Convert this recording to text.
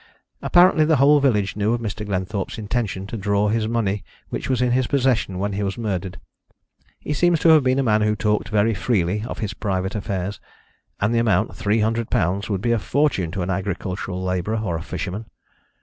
Apparently the whole village knew of Mr. Glenthorpe's intention to draw this money which was in his possession when he was murdered he seems to have been a man who talked very freely of his private affairs and the amount, £300, would be a fortune to an agricultural labourer or a fisherman.